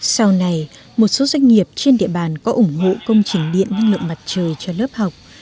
sau này một số doanh nghiệp trên địa bàn có ủng hộ công trình điện năng lượng mặt trời cho lớp học